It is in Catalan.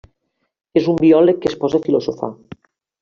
És un biòleg que es posa a filosofar.